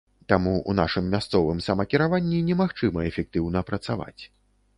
Таму ў нашым мясцовым самакіраванні немагчыма эфектыўна працаваць.